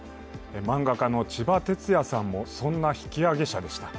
漫画家のちばてつやさんもそんな引き揚げ者でした。